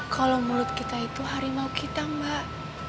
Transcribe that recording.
kalau mulut kita itu harimau kita mbak